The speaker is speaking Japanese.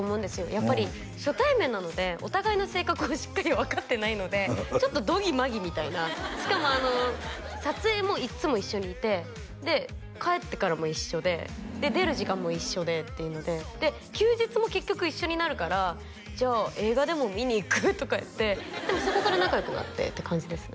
やっぱり初対面なのでお互いの性格をしっかり分かってないのでちょっとどぎまぎみたいなしかも撮影もいっつも一緒にいてで帰ってからも一緒で出る時間も一緒でっていうのでで休日も結局一緒になるから「じゃあ映画でも見に行く？」とか言ってでもそこから仲良くなってって感じですね